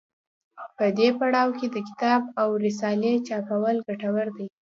په دې پړاو کې د کتاب او رسالې چاپول ګټور دي.